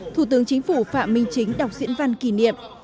thủ tướng chính phủ phạm minh chính đọc diễn văn kỷ niệm